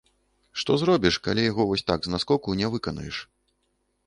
Што зробіш, калі яго вось так, з наскоку, не выканаеш.